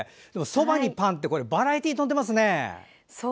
そばにパンってバラエティーに富んでますね。